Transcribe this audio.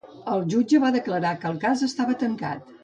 El jutge va declarar que el cas estava tancat.